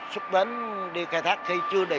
xuất đến đi khai thác khi chưa đi